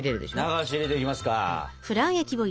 流し入れていきますか！